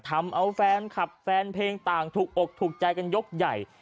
ทำเอาแฟนคลับแฟนเพลงต่างถูกอกถูกใจกันยกใหญ่